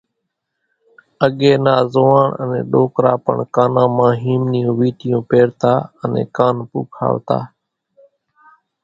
اڳيَ نا زوئاڻ انين ڏوڪرا پڻ ڪانان مان هيم نِيون ويٽِيون پيرتا انين ڪان پُونکاوتا۔